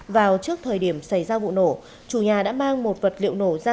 vào trước thời điểm xảy ra vụ nổ chủ nhà đã mang một vật liệu nổ ra